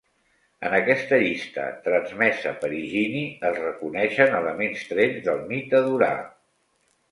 En aquesta llista, transmesa per Higini, es reconeixen elements trets del mite d'Urà.